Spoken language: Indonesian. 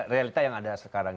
realita yang ada sekarang